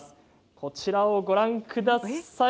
こちらをご覧ください。